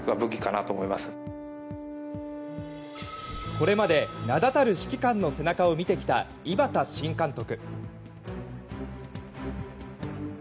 これまで名だたる指揮官の背中を見てきた井端新監督。